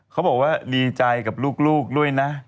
เขาบอกว่าดีใจกับลูกด้วยนะ